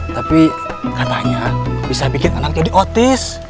tapi katanya bisa bikin anak jadi otis